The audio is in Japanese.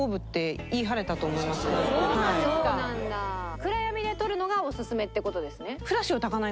暗闇で撮るのがオススメって事ですね。